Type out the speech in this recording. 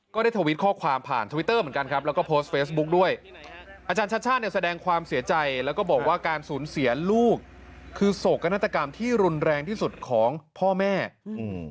ได้ทวิตข้อความผ่านทวิตเตอร์เหมือนกันครับแล้วก็โพสต์เฟซบุ๊กด้วยอาจารย์ชัชชาติเนี่ยแสดงความเสียใจแล้วก็บอกว่าการสูญเสียลูกคือโศกนาฏกรรมที่รุนแรงที่สุดของพ่อแม่อืม